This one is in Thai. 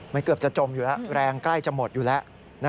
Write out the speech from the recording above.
มันเกือบจะจมอยู่แล้วแรงใกล้จะหมดอยู่แล้ว